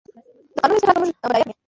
د کانونو استخراج به موږ بډایه کړي؟